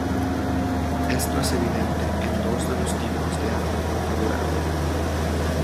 Esto es evidente en dos de los tipos de arma configurable.